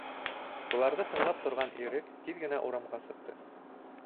Быларҙы тыңлап торған Ирек тиҙ генә урамға сыҡты.